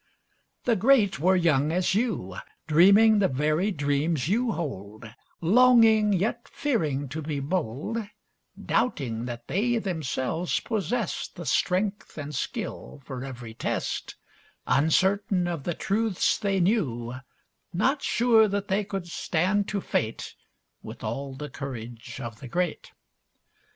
The great were young as you, Dreaming the very dreams you hold, Longing yet fearing to be bold, Doubting that they themselves possessed The strength and skill for every test, Uncertain of the truths they knew, Not sure that they could stand to fate With all the courage of the great.